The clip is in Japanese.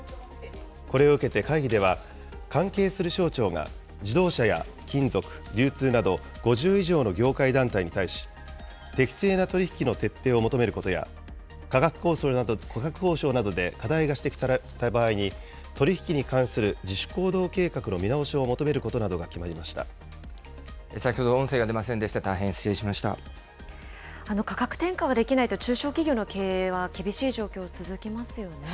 これを受けて会議では、関係する省庁が自動車や金属、流通など５０以上の業界団体に対し、適正な取り引きの徹底を求めることや、価格交渉などで課題が指摘された場合に、取り引きに関する自主行動計画の見直しを求めることなど先ほど音声が出ませんでした、価格転嫁ができないと中小企業の経営は、厳しい状況、続きますよね。